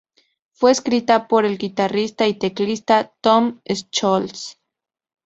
Fue escrita por el guitarrista y teclista Tom Scholz.